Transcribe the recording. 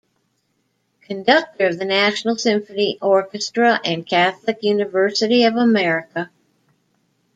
Conductor of the National Symphony Orchestra and Catholic University of America.